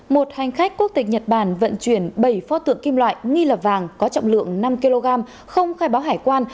một hành khách quốc tịch nhật bản vận chuyển bảy pho tượng kim loại nghi lập vàng có trọng lượng năm kg không khai báo hải quan